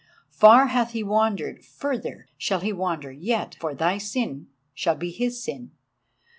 Far hath he wandered—further shall he wander yet, for thy sin shall be his sin!